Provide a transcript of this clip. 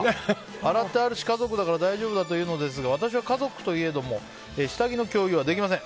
洗ってあるし家族だから大丈夫だと言うのですが私は家族といえども下着の共有はできません。